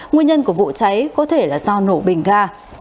nguyên nhân của vụ cháy có thể là do nổ bình ga